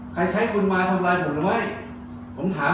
ใช้คุณมาทำร้ายผมหรือไม่ผมถาม